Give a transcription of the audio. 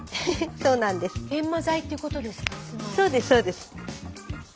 そうですそうです。